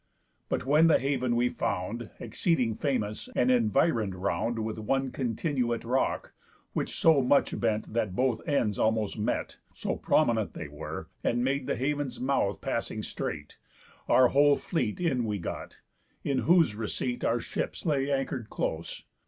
But when the haven we found, (Exceeding famous, and environ'd round With one continuate rock, which so much bent That both ends almost met, so prominent They were, and made the haven's mouth passing strait) Our whole fleet in we got; in whose receit Our ships lay anchor'd close.